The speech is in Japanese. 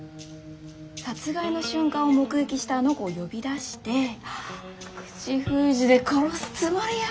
殺害の瞬間を目撃したあの子を呼び出して口封じで殺すつもりよ。